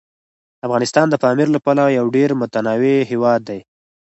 افغانستان د پامیر له پلوه یو ډېر متنوع هیواد دی.